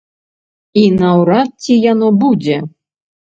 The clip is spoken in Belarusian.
І наўрад ці яно будзе.